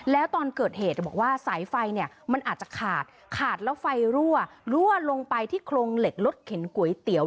แล้วตอนเกิดเหตุบอกว่าสายไฟเนี่ยมันอาจจะขาดขาดแล้วไฟรั่วรั่วลงไปที่โครงเหล็กรถเข็นก๋วยเตี๋ยว